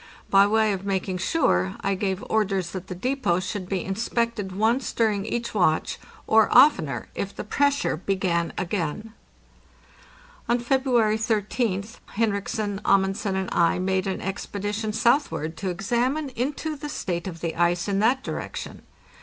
By way of making sure, I gave orders that the depot should be inspected once during each watch, or oftener if the pressure began again. On February 13th Henriksen, Amundsen, and I made an ex pedition southward to examine into the state of the ice in that direction.